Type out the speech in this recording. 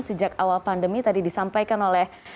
sejak awal pandemi tadi disampaikan oleh